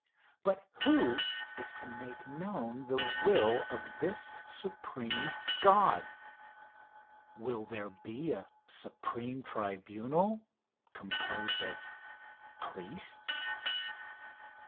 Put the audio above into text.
But who is to make known the will of this supreme God? Will there be a supreme tribunal composed of priests?